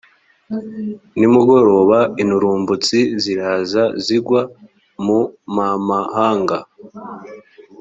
nimugoroba inturumbutsi ziraza zigwa mumamahanga